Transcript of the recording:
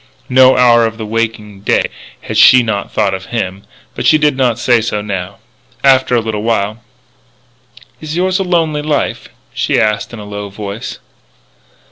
No hour of the waking day that she had not thought of him. But she did not say so now. After a little while: "Is yours a lonely life?" she asked in a low voice.